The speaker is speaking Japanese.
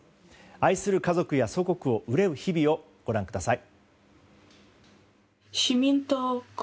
愛する家族や祖国を憂う日々をご覧ください。